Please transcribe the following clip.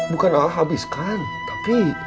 bukan a habiskan tapi